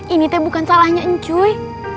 ini teh bukan salahnya encuy